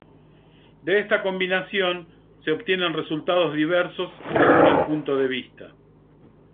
De esta combinación, se obtienen resultados diversos según el punto de vista.